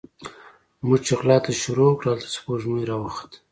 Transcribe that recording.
موږ چې غلا ته شروع وکړه، هلته سپوږمۍ راوخته